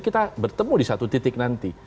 kita bertemu di satu titik nanti